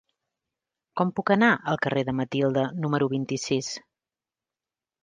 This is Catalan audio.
Com puc anar al carrer de Matilde número vint-i-sis?